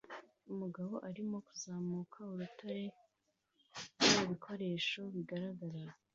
Umugabo arimo kuzamuka urutare nta bikoresho bigaragara